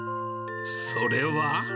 それは。